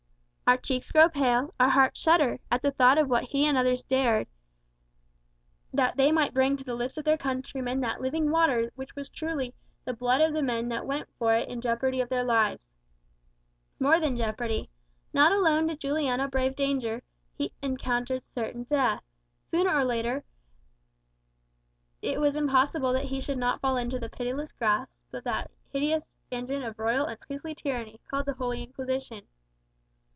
Our cheeks grow pale, our hearts shudder, at the thought of what he and others dared, that they might bring to the lips of their countrymen that living water which was truly "the blood of the men that went for it in jeopardy of their lives." More than jeopardy. Not alone did Juliano brave danger, he encountered certain death. Sooner or later, it was impossible that he should not fall into the pitiless grasp of that hideous engine of royal and priestly tyranny, called the Holy Inquisition.